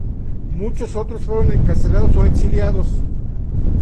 Muchos otros fueron encarcelados o exiliados.